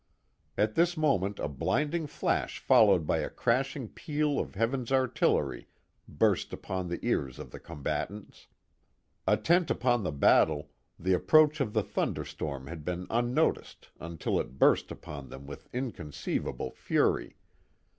At this moment a blinding flash followed by a crashing peal of heaven's artillery burst upon the ears of the combat ants. Attent upon the battle, the approach of the thunder storm had been unnoticed until it burst upon them with in conceivable fury.